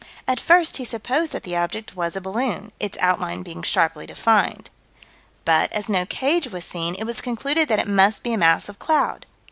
At first he supposed that the object was a balloon, "its outline being sharply defined." "But, as no cage was seen, it was concluded that it must be a mass of cloud."